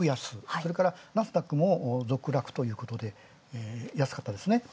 それからナスダックも続落ということで安かったですね。